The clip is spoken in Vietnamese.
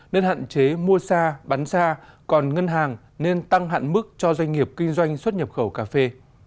nên hạn chế mua xa bán xa còn ngân hàng nên tăng hạn mức cho doanh nghiệp kinh doanh xuất nhập khẩu cà phê